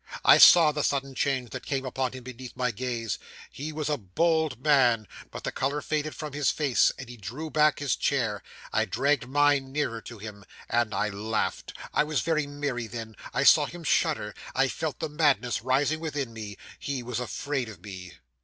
'I saw the sudden change that came upon him beneath my gaze. He was a bold man, but the colour faded from his face, and he drew back his chair. I dragged mine nearer to him; and I laughed I was very merry then I saw him shudder. I felt the madness rising within me. He was afraid of me.